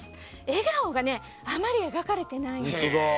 笑顔があまり描かれてないんです。